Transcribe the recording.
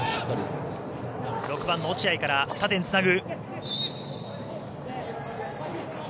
６番の落合から縦につなぐ。